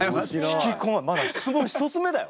引き込ままだ質問１つ目だよ？